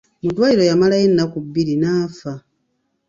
Mu ddwaliro yamalayo ennaku bbiri n'afa.